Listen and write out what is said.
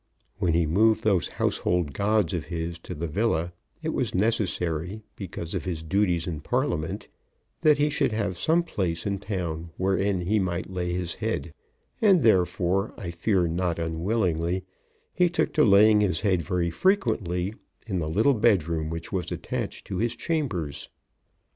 When he moved those household gods of his to the villa, it was necessary, because of his duties in Parliament, that he should have some place in town wherein he might lay his head, and therefore, I fear not unwillingly, he took to laying his head very frequently in the little bedroom which was attached to his chambers.